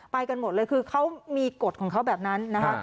กันหมดเลยคือเขามีกฎของเขาแบบนั้นนะคะ